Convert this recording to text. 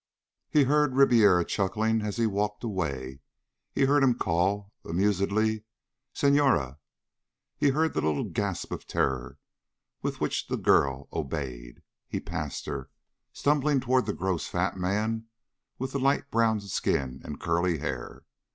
He heard Ribiera chuckling as he walked away. He heard him call, amusedly, "Senhora." He heard the little gasp of terror with which the girl obeyed. He passed her, stumbling toward the gross fat man with the light brown skin and curly hair.